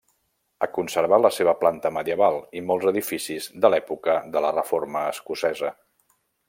Ha conservat la seva planta medieval i molts edificis de l'època de la Reforma escocesa.